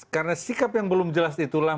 karena sikap yang belum jelas itulah